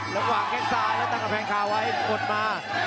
แล้ววางแค่ซ้ายแล้วตั้งกับแข่งข้าวไว้อุดมา